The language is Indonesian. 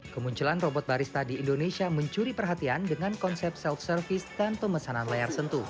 kemunculan robot barista di indonesia mencuri perhatian dengan konsep self service dan pemesanan layar sentuh